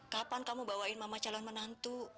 kapan kamu bawain mama calon menantu